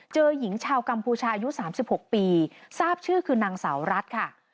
หญิงชาวกัมพูชายุ๓๖ปีทราบชื่อคือนางสาวรัฐค่ะ